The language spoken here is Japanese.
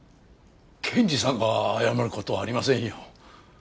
検事さんが謝る事はありませんよ。